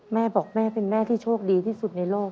แม่บอกแม่เป็นแม่ที่โชคดีที่สุดในโลก